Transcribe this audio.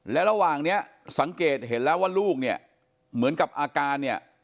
และระหว่างนี้สังเกตเห็นแล้วว่าลูกเนี่ยเหมือนกับอาการเนี่ย